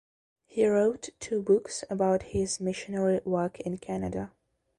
He wrote two books about his missionary work in Canada.